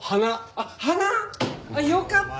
あっよかった。